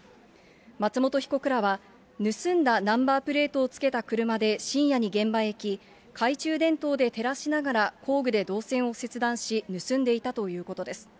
松本被告らは、盗んだナンバープレートをつけた車で深夜に現場に行き、懐中電灯で照らしながら、工具で銅線を切断し、盗んでいたということです。